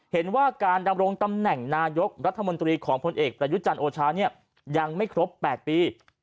เห็นว่าการดำรงตำแหน่งนายกรัฐมนตรีของพลเอกประยุจันทร์โอชาเนี่ยยังไม่ครบ๘ปี